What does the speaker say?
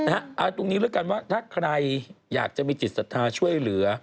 เอาตรงนี้แล้วกันว่าถ้าใครอยากจะมีจิตศรัทธาช่วยเหลือ